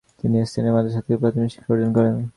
তিনি স্থানীয় মাদ্রাসা থেকে প্রাথমিক শিক্ষা অর্জন করেন।